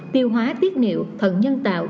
tiêu hóa tiết niệu thần nhân tạo